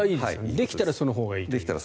できたらそのほうがいいです。